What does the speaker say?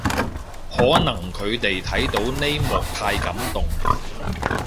可能佢哋睇到呢幕太感動